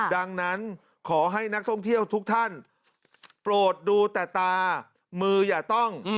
ดังนั้นขอให้นักท่องเที่ยวทุกท่านโปรดดูแต่ตามืออย่าต้อง